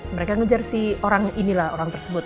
mereka ngejar si orang ini lah orang tersebut